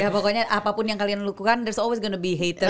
pokoknya apapun yang kalian lakukan there s always gonna be haters